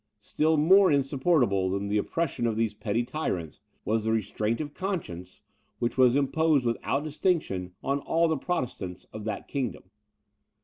Still more insupportable than the oppression of these petty tyrants, was the restraint of conscience which was imposed without distinction on all the Protestants of that kingdom.